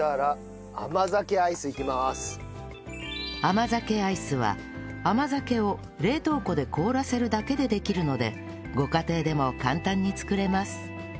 甘酒アイスは甘酒を冷凍庫で凍らせるだけでできるのでご家庭でも簡単に作れます